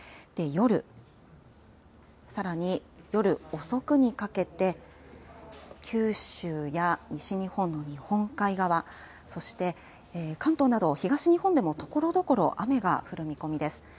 夜さらに夜遅くにかけて九州や西日本の日本海側そして関東など、東日本でもところどころ雨が降る見込みです。